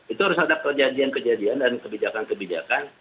itu harus ada perjanjian kejadian dan kebijakan kebijakan